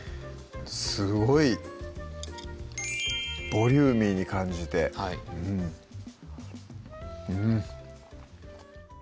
すごいボリューミーに感じてはいうん